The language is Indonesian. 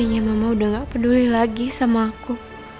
kayaknya mama udah gak peduli lagi sama aku